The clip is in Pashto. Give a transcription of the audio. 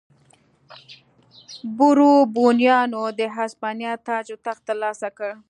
بوروبونیانو د هسپانیا تاج و تخت ترلاسه کړ.